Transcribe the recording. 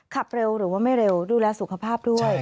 ขับเร็วหรือว่าไม่เร็วดูแลสุขภาพด้วย